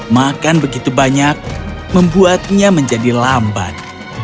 makan begitu banyak membuatnya menjadi lambat